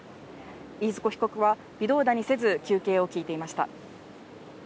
飯塚被告は微動だにせず、求刑を聞いていました。